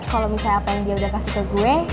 kalau misalnya apa yang dia udah kasih ke gue